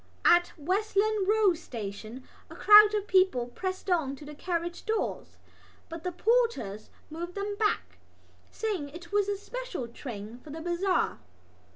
At Westland Row Station a crowd of people pressed to the carriage doors; but the porters moved them back, saying that it was a special train for the bazaar.